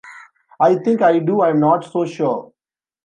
I think I do, I'm not so sure.